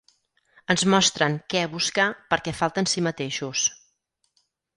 Ens mostren què buscar perquè falta en si mateixos.